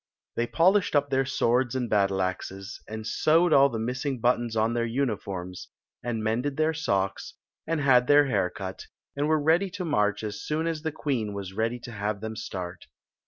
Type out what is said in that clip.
They polished up their swords and battle axes, and sewed all the missing buttons on their uniforms, and mended their socks, and had their hair cut, and were ready to march as soon as the queen was ready to have them start.